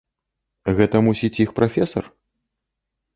Гэта, мусіць, іх прафесар?